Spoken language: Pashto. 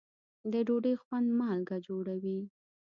د ډوډۍ خوند مالګه جوړوي.